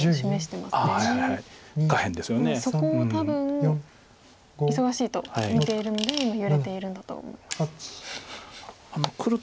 そこを多分忙しいと見ているので今揺れているんだと思います。